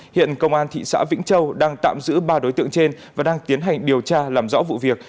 hiện công an thị xã vĩnh châu đang tạm giữ ba đối tượng trên và đang tiến hành điều tra làm rõ vụ việc